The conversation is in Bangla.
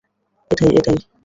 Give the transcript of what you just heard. এটাই, এটাই।